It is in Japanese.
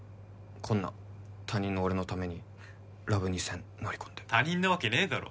こんな他人の俺のためにラブ２０００乗り込んで他人なわけねえだろ